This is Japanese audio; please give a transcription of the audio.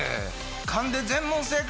勘で全問正解？